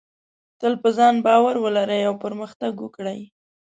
تل په ځان باور ولرئ او پرمختګ وکړئ.